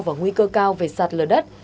và nguy cơ cao về sạt lở đất